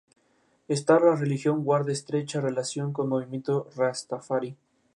No llegó a ver sus esfuerzos coronados al morir.